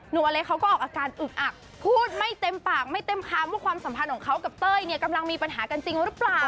อเล็กเขาก็ออกอาการอึกอักพูดไม่เต็มปากไม่เต็มคำว่าความสัมพันธ์ของเขากับเต้ยเนี่ยกำลังมีปัญหากันจริงหรือเปล่า